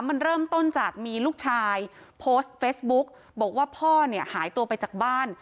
มันเริ่มต้นจากมีลูกชายโพสต์เฟซบุ๊กบอกว่าพ่อเนี่ยหายตัวไปจากบ้าน